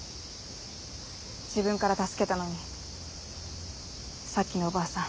自分から助けたのにさっきのおばあさん。